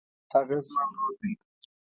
هغه زما ورور دی.